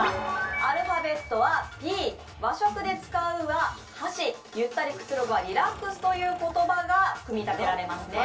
アルファベットはＰ、和食で使うは「はし」、ゆったりくつろぐは「りらっくす」という言葉が組み立てられます。